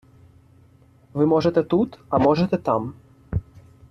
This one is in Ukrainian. Ви можете тут, а можете там.